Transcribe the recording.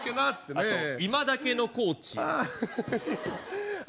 あと今だけのコーチあ